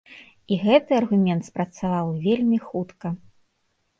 І гэты аргумент спрацаваў вельмі хутка!